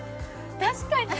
確かに！